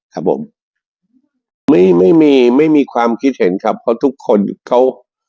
ครับผมไม่ไม่มีไม่มีความคิดเห็นครับเพราะทุกคนเขา